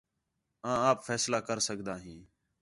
آں آپ فیصلہ کر سڳدا ھیں